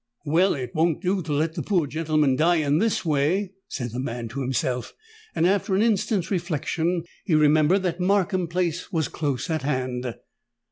"Well, it won't do to let the poor gentleman die in this way," said the man to himself; and, after an instant's reflection, he remembered that Markham Place was close at hand.